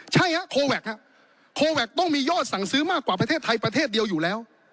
ใช่ฮะโคแวคครับโคแวคต้องมียอดสั่งซื้อมากกว่าประเทศไทยประเทศเดียวอยู่แล้ว